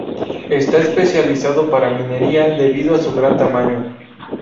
Esta especializado para minería, debido a su gran tamaño.